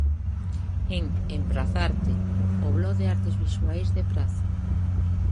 En Emprazarte, o blog de artes visuais de Praza.